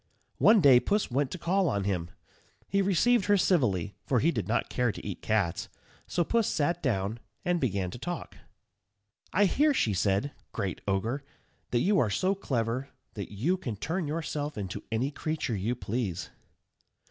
One day Puss went to call on him. He received her civilly, for he did not care to eat cats, so Puss sat down, and began to talk: "I hear," she said, "great Ogre, that you are so clever, that you can turn yourself into any creature you please."